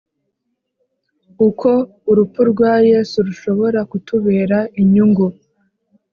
Uko urupfu rwa Yesu rushobora kutubera inyungu